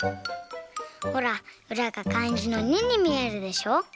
ほらうらがかんじの「二」にみえるでしょ。